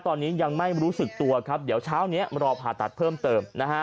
ตอนนี้ยังไม่รู้สึกตัวครับเดี๋ยวเช้านี้รอผ่าตัดเพิ่มเติมนะฮะ